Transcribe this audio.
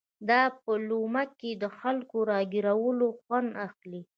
دا په لومه کې د خلکو له را ګيرولو خوند اخلي.